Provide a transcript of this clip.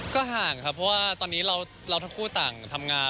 ก็ห่างครับเพราะว่าตอนนี้เราทั้งคู่ต่างทำงาน